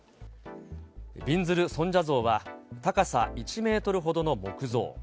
びんずる尊者像は、高さ１メートルほどの木像。